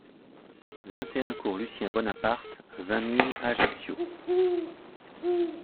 vingt et un cours Lucien Bonaparte, vingt mille Ajaccio